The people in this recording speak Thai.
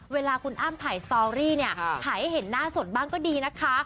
เวลาคุณอ้ำถ่ายสตอรี่เนี่ยถ่ายให้เห็นหน้าสดบ้างก็ดีนะคะ